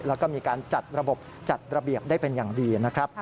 แล้วก็มีการจัดระบบจัดระเบียบได้เป็นอย่างดีนะครับ